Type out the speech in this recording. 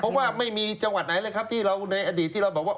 เพราะว่าไม่มีจังหวัดไหนเลยครับที่เราในอดีตที่เราบอกว่า